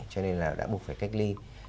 cho nên là đã buộc phải cách ly